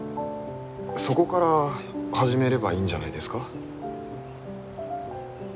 そこから始めればいいんじゃないですか？